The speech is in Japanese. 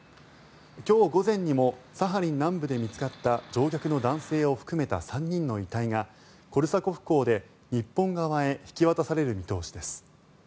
今日午前にもサハリン南部で見つかった乗客の男性を含めた３人の遺体がコルサコフ港で日本側へ引き渡される見通しです。